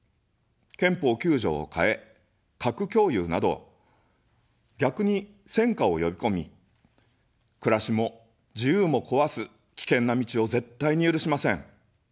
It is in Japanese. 憲法９条を変え、核共有など、逆に戦火をよびこみ、暮らしも自由も壊す、危険な道を絶対に許しません。